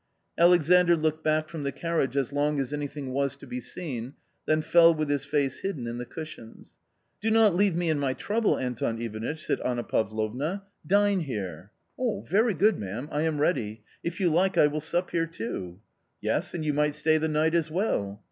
Alexandr looked back from the carriage as long as any thing was to be seen, then fell with his face hidden in the cushions. " Do not leave me in my trouble, Anton Ivanitch," said Anna Pavlovna ;" dine here." " Very good, ma'am, I am ready ; if you like I will sup here too." " Yes, and you might stay the night as well."